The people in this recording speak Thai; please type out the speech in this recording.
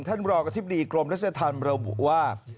ท่านบรองอธิบดีกรมราชธรรมบอกว่า